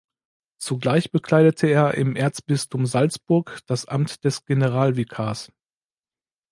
Zugleich bekleidete er im Erzbistum Salzburg das Amt des Generalvikars.